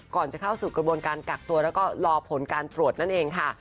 ก่อนจะเข้าสู่กระบวนการกักตัวแล้วก็รอผลการตรวจนั่นเองค่ะ